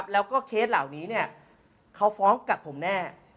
แล้วก็เคสเหล่านี้เขาฟ้องกับผมแน่